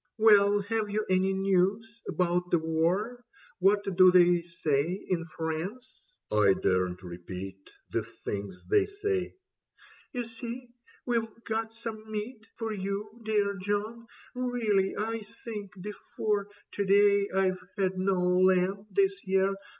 Well, have you any news about the war ? What do they say in France ?" "I daren't repeat The things they say." " You see we've got some meat For you, dear John. Really, I think before To day I've had no lamb this year.